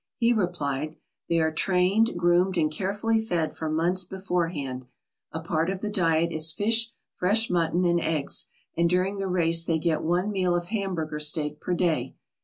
He replied: "They are trained, groomed, and carefully fed for months beforehand. A part of the diet is fish, fresh mutton, and eggs, and during the race they get one meal of hamburger steak per day.